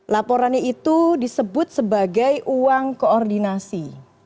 laporannya itu disebut sebagai uang koordinasi